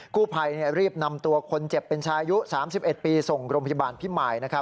กู้ภัยรีบนำตัวคนเจ็บเป็นชายุ๓๑ปีส่งโรงพยาบาลพิมาย